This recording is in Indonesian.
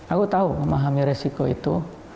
aku tahu memahami resiko itu